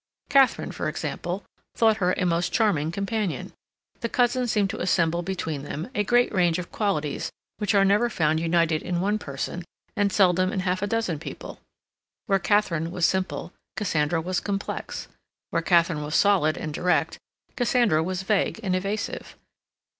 Katharine, for example, thought her a most charming companion. The cousins seemed to assemble between them a great range of qualities which are never found united in one person and seldom in half a dozen people. Where Katharine was simple, Cassandra was complex; where Katharine was solid and direct, Cassandra was vague and evasive.